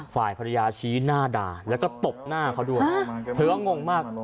ฝ่ายภรรยาชี้หน้าด่าแล้วก็ตบหน้าเขาด้วยเธอก็งงมาก